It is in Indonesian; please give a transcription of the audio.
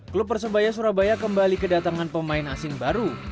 klub persebaya surabaya kembali kedatangan pemain asing baru